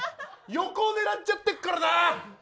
横を狙っちゃってっからな！